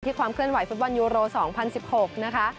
ความเคลื่อนไหฟุตบอลยูโร๒๐๑๖นะคะ